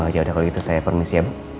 yaudah kalau gitu saya permisi ya bu